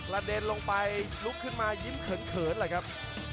เด็นลงไปลุกขึ้นมายิ้มเขินแหละครับ